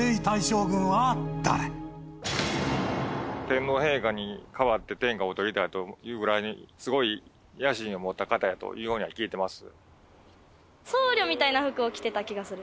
天皇陛下に代わって天下を取りたいというぐらいにすごい野心を持った方やというようには聞いてます。